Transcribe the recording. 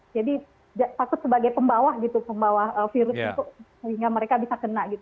jadi takut sebagai pembawa gitu pembawa virus itu sehingga mereka bisa kena gitu